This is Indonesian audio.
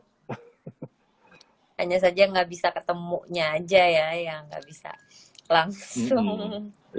hanya saja nggak bisa ketemunya aja ya yang nggak bisa langsung